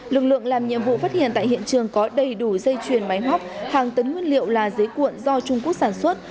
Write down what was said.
lực lượng làm nhiệm vụ phát hiện tại hiện trường có đầy đủ dây chuyền máy móc hàng tấn nguyên liệu là giấy cuộn do trung quốc sản xuất